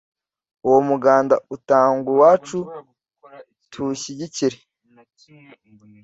uwo muganda utangwa iwacu tuwushyigikire